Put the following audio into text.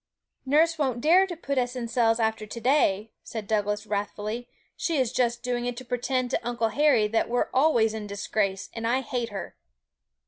'Nurse won't dare to put us in cells after to day,' said Douglas wrathfully; 'she is just doing it to pretend to Uncle Harry that we're always in disgrace; and I hate her!'